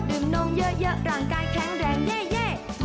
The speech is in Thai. นมเยอะร่างกายแข็งแรงแย่